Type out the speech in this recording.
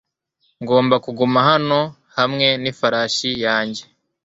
Ngomba kuguma hano hamwe n'ifarashi yanjye